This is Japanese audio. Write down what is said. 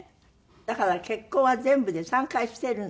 だから結婚は全部で３回してる？